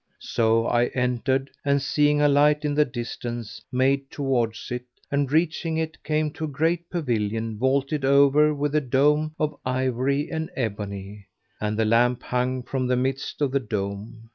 So I entered and, seeing a light in the distance, made towards it and reaching it, came to a great pavilion vaulted over with a dome of ivory and ebony, and the lamp hung from the midst of the dome.